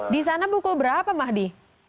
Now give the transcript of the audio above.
di sana pukul berapa mahdi